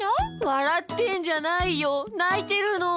わらってんじゃないよないてるの！